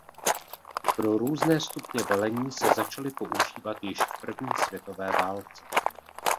Pro různé stupně velení se začaly používat již v první světové válce.